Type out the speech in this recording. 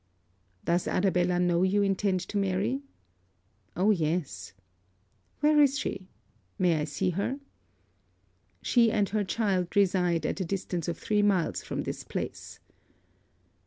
'Does Arabella know you intend to marry?' 'O yes.' 'Where is she? May I see her?' 'She and her child reside at the distance of three miles from this place.'